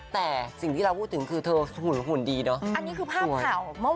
แต่สิ่งที่เราพูดถึงคือเธอหุ่นหุ่นดีเนอะ